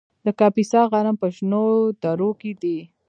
د کاپیسا غنم په شنو درو کې دي.